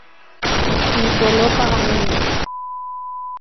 Niccolò Paganini